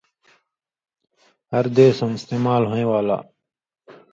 ہر دیسؤں استعمال ہویں والا